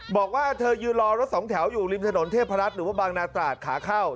บอกว่าเธอยืนรอรถสองแถวอยู่ริมถนนเทพรัฐหรือว่าบางนาตราดขาเข้า